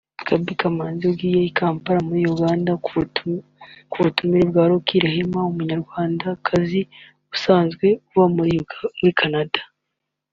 Gaby Kamanzi agiye i Kampala muri Uganda ku butumire bwa Lucky Rehema umunyarwandakazi usanzwe uba muri Canada